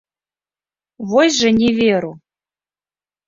Вось жа не веру.